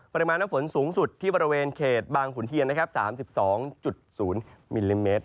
ปริมาณน้ำฝนสูงสุดที่บริเวณเขตบางขุนเทียน๓๒๐มิลลิเมตร